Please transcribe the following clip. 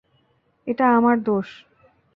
এটা আমার দোষ।